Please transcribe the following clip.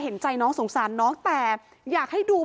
เห็นใจน้องสงสารน้องแต่อยากให้ดู